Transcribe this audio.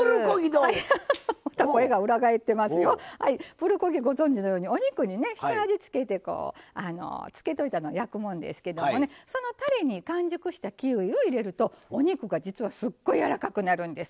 プルコギご存じのようにお肉にね下味を付けてこう漬けといたのを焼くもんですけどもねそのたれに完熟したキウイを入れるとお肉がじつはすっごいやわらかくなるんです。